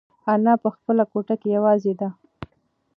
انا په خپله کوټه کې یوازې ده.